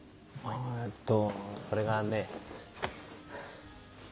えっとそれがね。